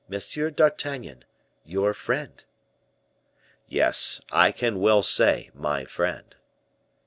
d'Artagnan, your friend." "Yes; I can well say 'my friend.